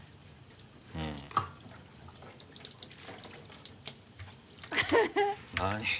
うん何？